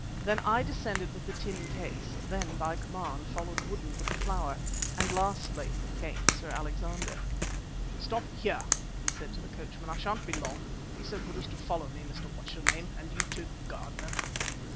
Then I descended with the tin case; then, by command, followed Woodden with the flower, and lastly came Sir Alexander. "Stop here," he said to the coachman; "I shan't be long. Be so good as to follow me, Mr. What's your name, and you, too, Gardener."